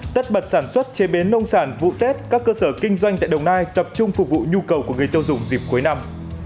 tất bật sản xuất chế biến nông sản vụ tết các cơ sở kinh doanh tại đồng nai tập trung phục vụ nhu cầu của người tiêu dùng dịp cuối năm